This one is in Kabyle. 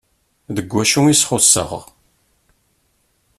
Deg wacu i sxuṣṣeɣ?